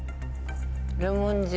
レモン汁。